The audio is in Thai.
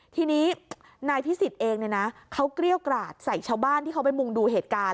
ทีนี้นายพิสิทธิ์เองเนี่ยนะเขาเกรี้ยวกราดใส่ชาวบ้านที่เขาไปมุงดูเหตุการณ์